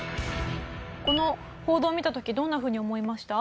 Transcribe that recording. この報道を見た時どんなふうに思いました？